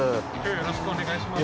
よろしくお願いします。